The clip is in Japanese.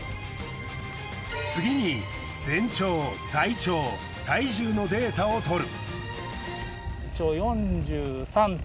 次に全長体長体重のデータを取る。